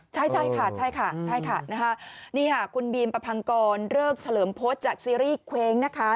ใช่ค่ะคุณบีมปะพังกรเลิกเฉลิมโพสต์จากซีรีส์เคว้งนะคะ